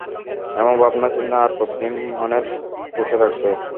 এমন ভাবনা-চিন্তা আর কতদিন মনে পুষে রাখবে?